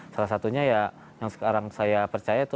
salah satunya ya yang sekarang saya percaya itu